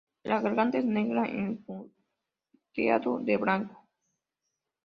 La garganta es negra con punteado de blanco.